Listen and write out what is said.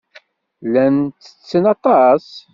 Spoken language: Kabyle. Llan ttetten aṭas.